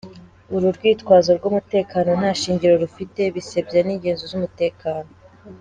Uru rwitwazo rw’umutekano nta shingiro rufite, bisebya n’inzego z’umutekano.